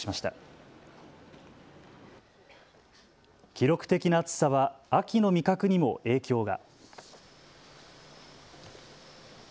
記録的な暑さは秋の味覚にも影響が。